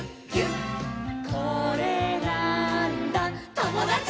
「これなーんだ『ともだち！』」